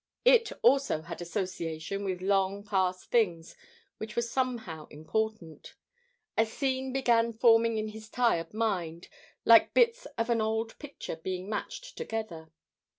It also had association with long past things which were somehow important. A scene began forming in his tired mind, like bits of an old picture being matched together.